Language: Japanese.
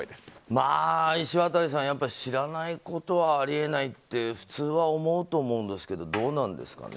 まあ、石渡さん、やっぱり知らないことはあり得ないって普通は思うと思うんですけどどうなんですかね。